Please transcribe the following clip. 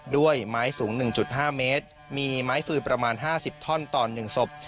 ด้วยไม้สูง๑๕เมตรมีไม้ฟืนประมาณ๕๐ท่อนต่อ๑ศพ